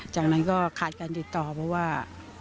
จากนั้นก็ขาดการติดต่อเพราะว่า